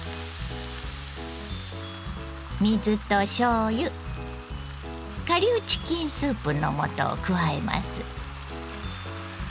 水としょうゆ顆粒チキンスープの素を加えます。